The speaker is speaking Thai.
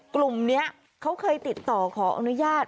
กลุ่มนี้เขาเคยติดต่อขออนุญาต